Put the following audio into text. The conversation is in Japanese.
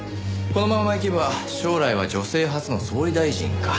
このままいけば将来は女性初の総理大臣か。